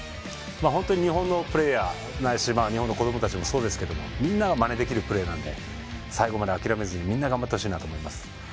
本当に、日本のプレーヤーないし日本の子どもたちもそうですがみんながまねできるプレーなので最後まで諦めずみんな頑張ってほしいなと思います。